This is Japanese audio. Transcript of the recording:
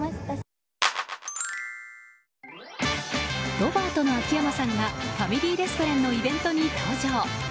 ロバートの秋山さんがファミリーレストランのイベントに登場。